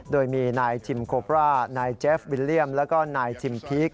โดยมีนายชิมโคปรานายเจฟวิลเลี่ยมแล้วก็นายชิมพีค